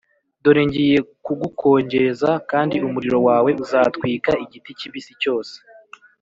Dore ngiye kugukongeza, kandi umuriro wawe uzatwika igiti kibisi cyose